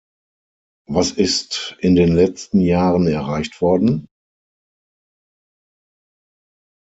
Was ist in den letzten Jahren erreicht worden?